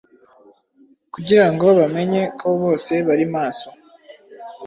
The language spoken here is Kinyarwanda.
kugira ngo bamenye ko bose bari maso